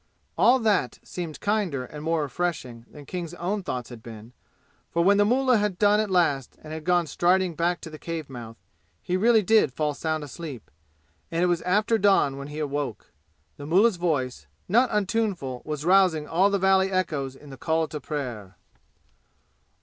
All that seemed kinder and more refreshing than King's own thoughts had been, for when the mullah had done at last and had gone striding back to the cave mouth, he really did fall sound asleep, and it was after dawn when he awoke. The mullah's voice, not untuneful was rousing all the valley echoes in the call to prayer.